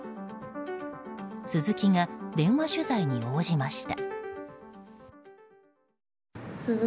スズキが電話取材に応じました。